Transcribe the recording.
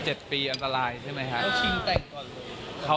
เจ็ดปีอันตรายใช่ไหมคะ